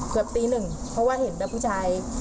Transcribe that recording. เกือบตีหนึ่งเพราะว่าเห็นแบบผู้ชาย